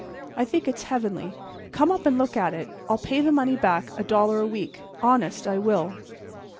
I think it's heavenly. Come up and look at it. I'll pay the money back, a dollar a week—honest I will."